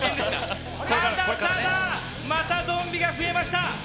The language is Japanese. ただただまたゾンビが増えました。